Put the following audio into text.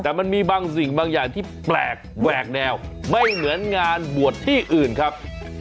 แต่มันมีบางสิ่งบางอย่างที่แปลกแหวกแนวไม่เหมือนงานบวชที่อื่นครับ